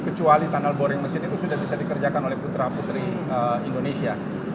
kecuali tunnel boring mesin itu sudah bisa dikerjakan oleh putra putri indonesia